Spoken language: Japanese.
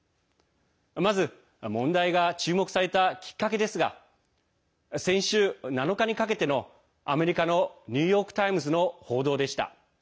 まず問題が注目されたきっかけですが先週７日にかけてのアメリカのニューヨーク・タイムズの報道でした。